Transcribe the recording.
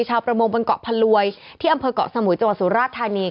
ประมงบนเกาะพลวยที่อำเภอกเกาะสมุยจังหวัดสุราชธานี